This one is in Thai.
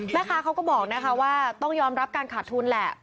แม่ค้าเขาก็บอกนะคะว่าต้องยอมรับการขาดทุนแหละ